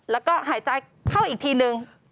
แล้วก็หายใจเข้าอีกทีนึง